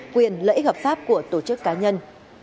quyền lợi ích hợp pháp của tổ chức cá nhân